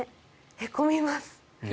へこみます。